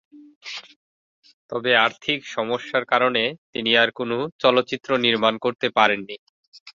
তবে আর্থিক সমস্যার কারণে তিনি আর কোন চলচ্চিত্র নির্মাণ করতে পারেন নি।